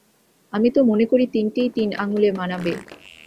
আমি তো মনে করি তিনটেই তিন আঙুলে মানাবে।